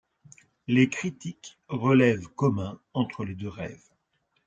Les critiques relèvent communs entre les deux rêves.